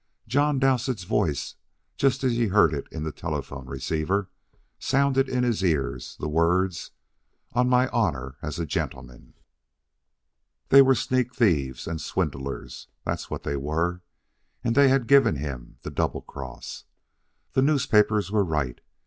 John Dowsett's voice, just as he had heard it in the telephone receiver, sounded in his ears the words, "On my honor as a gentleman." They were sneak thieves and swindlers, that was what they were, and they had given him the double cross. The newspapers were right.